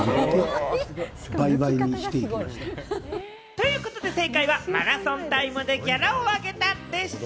ということで正解はマラソンタイムでギャラを上げたでした。